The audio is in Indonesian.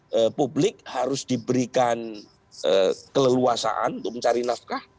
karena publik harus diberikan keleluasaan untuk mencari nafkah